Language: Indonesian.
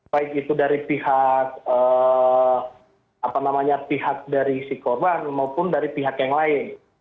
baik itu dari pihak dari si korban maupun dari pihak yang lain